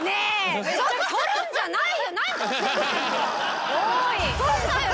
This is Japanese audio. ちょ撮るんじゃないよ！